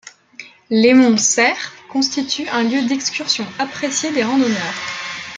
Les monts Cer constituent un lieu d'excursion apprécié des randonneurs.